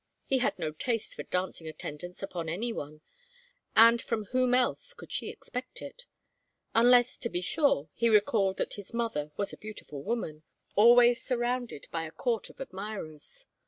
He had no taste for dancing attendance upon any one, and from whom else could she expect it unless, to be sure he recalled that his mother was a beautiful woman, always surrounded by a court of admirers.